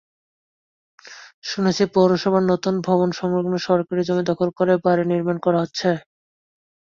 শুনেছি পৌরসভার নতুন ভবনসংলগ্ন সরকারি জমি দখল করে বাড়ি নির্মাণ করা হচ্ছে।